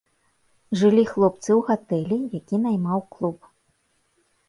Жылі хлопцы ў гатэлі, які наймаў клуб.